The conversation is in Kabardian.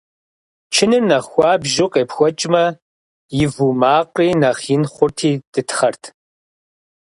Чыныр нэхъ хуабжьу къепхуэкӀмэ, и вуу макъри нэхъ ин хъурти дытхъэрт.